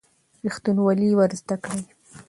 ریښتینولي ور زده کړئ.